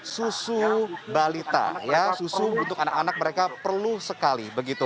susu balita susu untuk anak anak mereka perlu sekali begitu